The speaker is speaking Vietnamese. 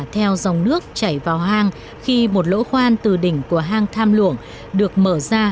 theo dòng nước chảy vào hang